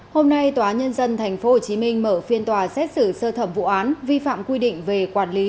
hôm nay tòa nhân dân tp hcm mở phiên tòa xét xử sơ thẩm vụ án vi phạm quy định về quản lý